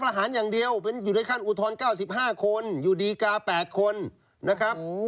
ประหารอย่างเดียวอยู่ในขั้นอุทธรณ์๙๕คนอยู่ดีกา๘คนนะครับ